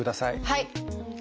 はい。